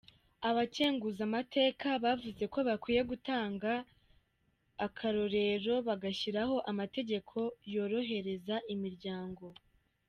Abakenguzamateka bavuze ko bakwiye gutanga akarorero, bagashiraho amategeko yorohereza imiryango.